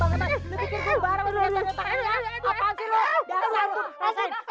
eh di bangkit nih